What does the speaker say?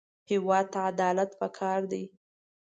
هېواد ته عدالت پکار دی